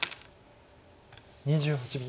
２８秒。